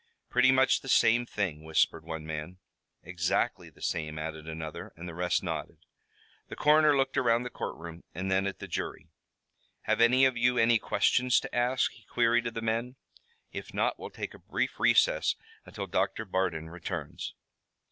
"Pretty much the same thing," whispered one man. "Exactly the same," added another, and the rest nodded. The coroner looked around the courtroom and then at the jury. "Have any of you any questions to ask?" he queried of the men. "If not we'll take a brief recess until Doctor Bardon returns."